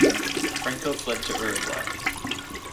Franco fled to Uruguay.